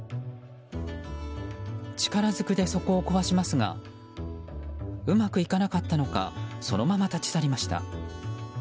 力づくで底を壊しますがうまくいかなかったのかそのまま立ち去りました。